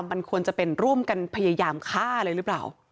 มันควรจะเป็นร่วมกันพยายามฆ่าเลยหรือเปล่า